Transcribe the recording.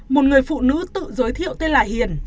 một người phụ nữ tự giới thiệu tên là hiền